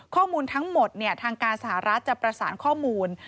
ข้อมูลทั้งหมดทางการสหรัฐจะประสานข้อมูล